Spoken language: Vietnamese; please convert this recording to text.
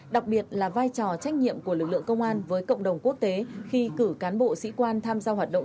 đặc biệt là vai trò trách nhiệm của lực lượng công an với cộng đồng quốc tế khi cử cán bộ sĩ quan tham gia hoạt động